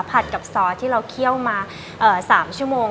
ผัดกับซอสที่เราเคี่ยวมา๓ชั่วโมง